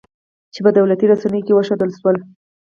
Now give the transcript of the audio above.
چې په دولتي رسنیو کې وښودل شول